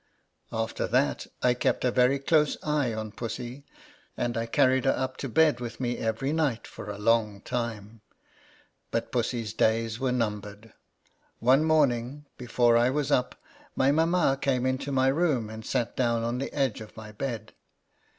After that, I kept a very close eye on Pussy ; and I carried her up to bed with me every night for a long time. But Pussy's days were numbered. One morning, before I was up, my mamma came into my room, and sat down on the edge of my bed.